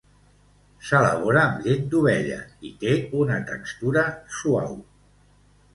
S'elabora amb llet d'ovella i té una textura suau.